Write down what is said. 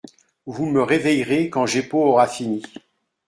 Vous me réveillerez quand Jeppo aura fini.